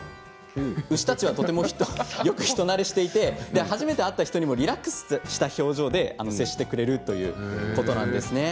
牛たちはとても人慣れしていて初めて会った人にもリラックスした表情で接してくれるということなんです。